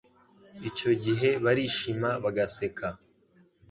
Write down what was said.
Icyo gihe barishima bagaseka ,